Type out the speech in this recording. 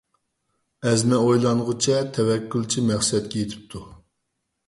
ئەزمە ئويلانغۇچە، تەۋەككۈلچى مەقسەتكە يېتىپتۇ.